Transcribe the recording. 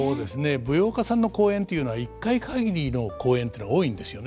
舞踊家さんの公演というのは一回限りの公演というのが多いんですよね。